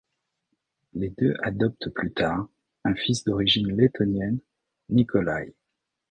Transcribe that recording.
Les deux adoptent plus tard un fils d'origine letonienne, Nikolaj.